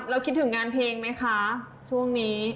คิดถึงงานเพลงไหมคะช่วงนี้